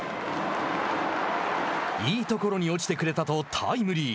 いいところに落ちてくれたとタイムリー。